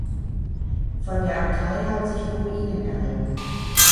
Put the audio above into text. Von der Abtei haben sich nur Ruinen erhalten.